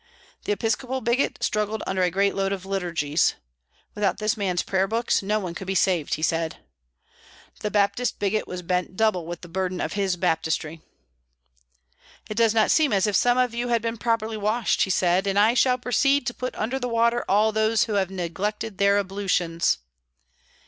The Episcopal bigot struggled under a great load of liturgies. Without this man's prayer books no one could be saved, he said. The Baptist bigot was bent double with the burden of his baptistry. "It does not seem as if some of you had been properly washed," he said, "and I shall proceed to put under the water all those who have neglected their ablutions."